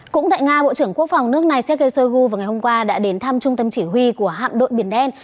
cũng tại nga bộ trưởng quốc phòng nước này sergei shoigu vào ngày hôm qua đã đến thăm trung tâm chỉ huy của hạm đội biển đen